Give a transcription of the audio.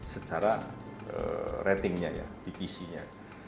secara ratingnya ya bpc nya